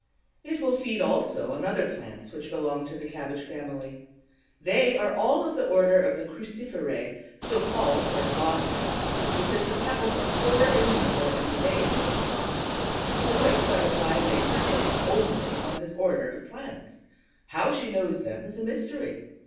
It will feed also on other plants which belong to the cabbage family. They are all of the order of the Cruciferæ, so called by the botanists because the petals are four in number and arranged in a cross. The White Butterfly lays her eggs only on this order of plants. How she knows them is a mystery.